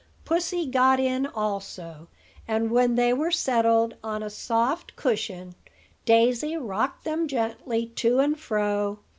Pussy got in also; and, when they were settled on a soft cushion, Daisy rocked them gently to and fro.